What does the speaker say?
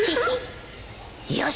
よし！